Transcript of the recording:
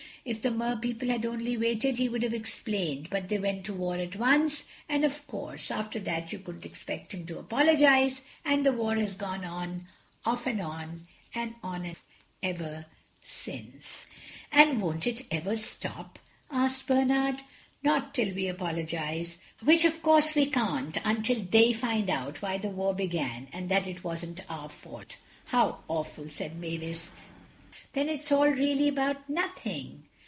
If the Mer people had only waited he would have explained, but they went to war at once, and, of course, after that you couldn't expect him to apologize. And the war has gone on, off and on and on and off, ever since." [Illustration: The Hall of Public Archives.] "And won't it ever stop?" asked Bernard. "Not till we apologize, which, of course, we can't until they find out why the war began and that it wasn't our fault." "How awful!" said Mavis; "then it's all really about nothing."